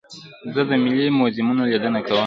زه د ملي موزیمونو لیدنه کوم.